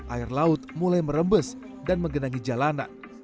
air laut mulai merembes dan menggenangi jalanan